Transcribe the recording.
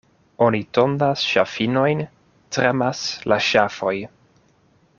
Oni tondas ŝafinojn, tremas la ŝafoj.